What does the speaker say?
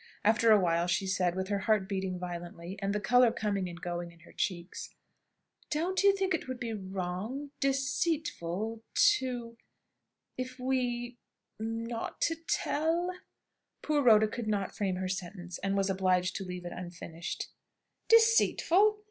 After a while she said, with her heart beating violently, and the colour coming and going in her cheeks: "Don't you think it would be wrong, deceitful to if we not to tell " Poor Rhoda could not frame her sentence, and was obliged to leave it unfinished. "Deceitful!